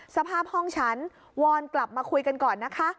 สภาพห้องฉันวอนกลับมาคุยกันก่อนนะคะ